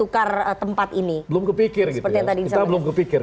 kita belum kepikir